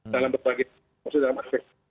dalam berbagai maksudnya dalam efek